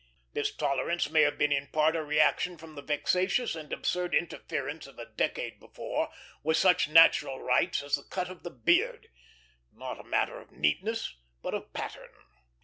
This tolerance may have been in part a reaction from the vexatious and absurd interference of a decade before with such natural rights as the cut of the beard not as matter of neatness, but of pattern.